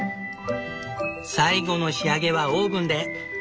最後の仕上げはオーブンで。